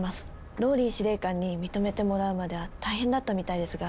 ＲＯＬＬＹ司令官に認めてもらうまでは大変だったみたいですが。